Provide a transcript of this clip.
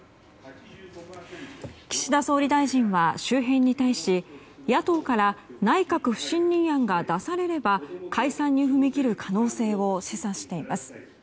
岸田総理大臣は周辺に対し野党から内閣不信任案が出されれば解散に踏み切る可能性を示唆しています。